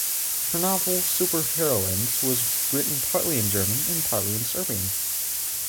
Her novel "Superheroines" was written partly in German and partly in Serbian.